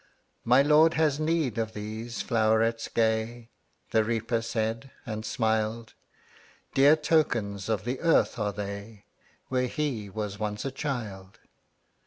``My Lord has need of these flowerets gay,'' The Reaper said, and smiled; ``Dear tokens of the earth are they, Where he was once a child.